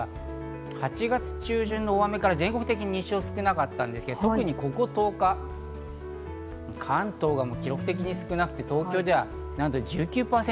８月中旬の大雨から全国的に日照が少なかったんですけど、特にここ１０日、関東が記録的に少なくて、東京ではなんと１９％。